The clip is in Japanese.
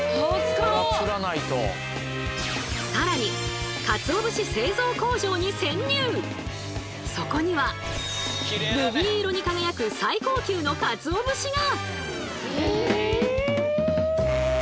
更にそこにはルビー色に輝く最高級のかつお節が！